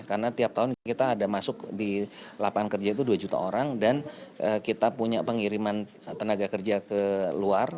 karena tiap tahun kita ada masuk di lapangan kerja itu dua juta orang dan kita punya pengiriman tenaga kerja ke luar